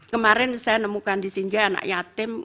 kemarin saya nemukan di sinja anak yatim